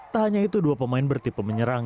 tak hanya itu dua pemain bertipe menyerang